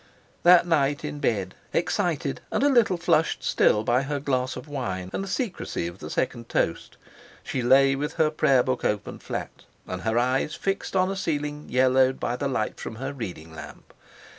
That night in bed, excited and a little flushed still by her glass of wine and the secrecy of the second toast, she lay with her prayer book opened flat, and her eyes fixed on a ceiling yellowed by the light from her reading lamp.